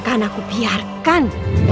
udah akan aku biarkan